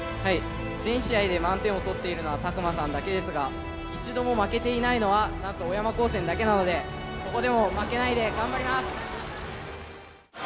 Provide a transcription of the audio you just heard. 全試合で満点を取っているのは詫間さんだけですが一度も負けていないのはなんと小山高専だけなのでここでも負けないで頑張ります！